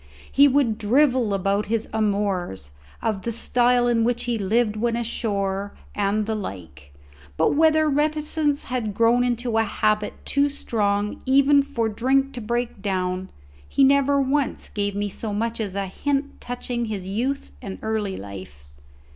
He would drivel about his amours, of the style in which he lived when ashore, and the like; but whether reticence had grown into a habit too strong even for drink to break down, he never once gave me so much as a hint touching his youth and early life.